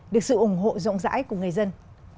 được sự ủng hộ rộng rãi của người dân